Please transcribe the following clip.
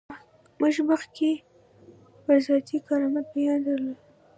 موږ مخکې پر ذاتي کرامت بیان درلود.